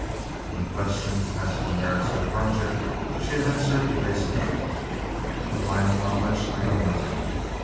When questioned as to the merits of the project, she had answered evasively, "Of my own knowledge I know nothing."